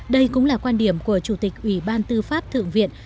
đây cũng là quan điểm của chủ tịch ủy ban tư pháp thượng viện